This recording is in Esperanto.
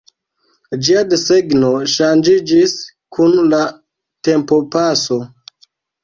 Ĝia desegno ŝanĝiĝis kun la tempopaso.